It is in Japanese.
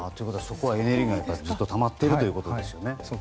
そこはエネルギーがずっとたまってるってことですね。